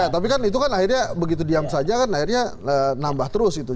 tapi kan itu kan akhirnya begitu diam saja kan akhirnya nambah terus gitu